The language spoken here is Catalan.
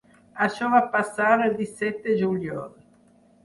Això va passar el disset de juliol.